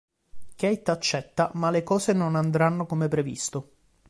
Kate accetta ma le cose non andranno come previsto.